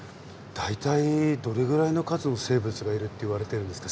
大体どれぐらいの数の生物がいるっていわれてるんですか？